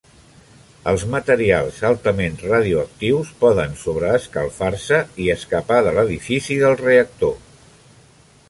Els materials altament radioactius poden sobreescalfar-se i escapar de l'edifici de reactor.